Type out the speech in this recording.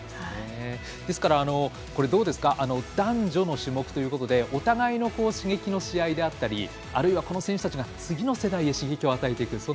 ですから男女の種目ということでお互いの刺激のしあいであったりあるいは、この選手たちが次の世代へ刺激を与えていく。